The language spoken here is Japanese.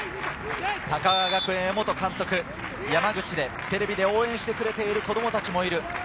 高川学園・江本監督、山口でテレビで応援してくれている子供たちもいる。